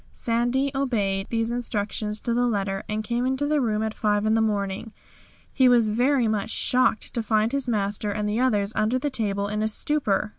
"Sandy" obeyed these instructions to the letter, and came into the room at 5 in the morning. He was very much shocked to find his master and the others under the table in a stupor.